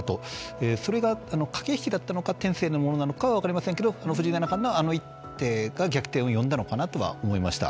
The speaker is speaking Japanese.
それが駆け引きだったのか天性のものなのかは分かりませんけど藤井七冠のあの一手が逆転を呼んだのかなとは思いました。